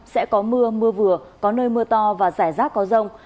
sẽ có mưa mưa vừa có nơi mưa to và rải rác có rông